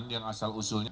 yang asal usulnya